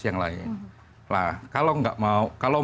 yang lain kalau